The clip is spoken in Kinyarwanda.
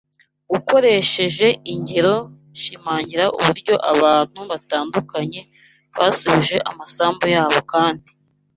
Ukoresheje ingero shimangira uburyo abantu batandukanye basubije amasambu yabo kandi